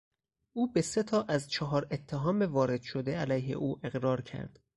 او به سه تا از چهار اتهام وارده علیه او اقرار کرد.